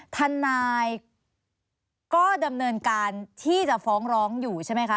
ทนายก็ดำเนินการที่จะฟ้องร้องอยู่ใช่ไหมคะ